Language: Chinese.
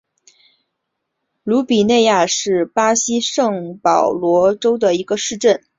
鲁比内亚是巴西圣保罗州的一个市镇。